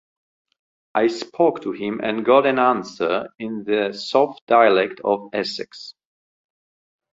I spoke to him, and got an answer in the soft dialect of Essex.